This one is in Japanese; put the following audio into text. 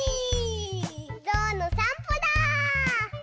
ぞうのさんぽだ！